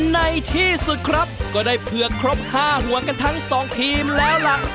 ในที่สุดครับก็ได้เผือกครบ๕ห่วงกันทั้งสองทีมแล้วล่ะ